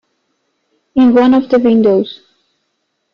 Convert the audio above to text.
In one of the windows.